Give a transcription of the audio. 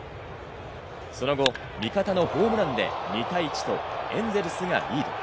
その後、味方のホームランで２対１とエンゼルスがリード。